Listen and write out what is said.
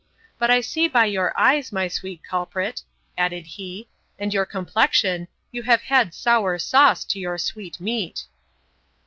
But I see by your eyes, my sweet culprit, added he, and your complexion, you have had sour sauce to your sweet meat.